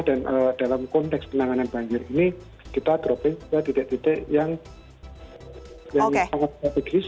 dan dalam konteks penanganan banjir ini kita dropping juga titik titik yang sangat pegis